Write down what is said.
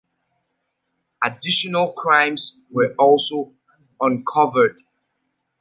Additional crimes were also uncovered.